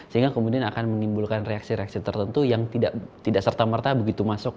sehingga kemudian akan menimbulkan reaksi reaksi tertentu yang tidak serta merta begitu masuk